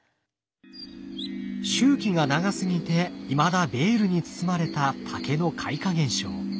周期が長すぎていまだベールに包まれた竹の開花現象。